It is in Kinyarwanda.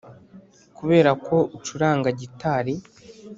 kuberako ucuranga gitari.